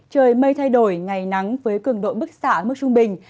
trời mây thay đổi ngày nắng với cường độ bức xạ mức trung bình